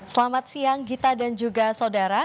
selamat siang gita dan juga saudara